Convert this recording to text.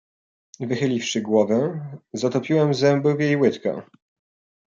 "Wychyliwszy głowę zatopiłem zęby w jej łydkę."